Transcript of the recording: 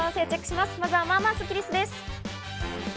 まずは、まあまあスッキりすです。